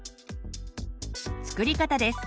作り方です。